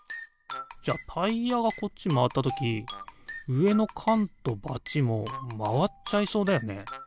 じゃタイヤがこっちまわったときうえのかんとバチもまわっちゃいそうだよね。